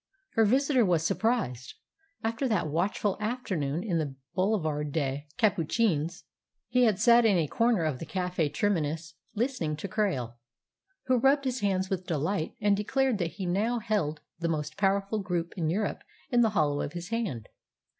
Her visitor was surprised. After that watchful afternoon in the Boulevard des Capucines, he had sat in a corner of the Café Terminus listening to Krail, who rubbed his hands with delight and declared that he now held the most powerful group in Europe in the hollow of his hand.